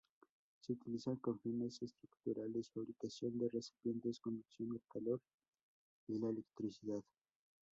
Se utilizan con fines estructurales, fabricación de recipientes, conducción del calor y la electricidad.